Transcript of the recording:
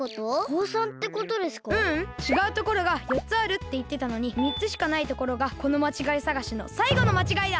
ううんちがうところがよっつあるっていってたのにみっつしかないところがこのまちがいさがしのさいごのまちがいだ！